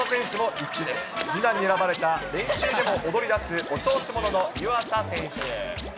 次男に選ばれた、練習でも踊りだす、お調子者の湯浅選手。